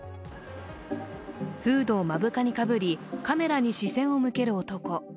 フードを目深にかぶりカメラに視線を向ける男。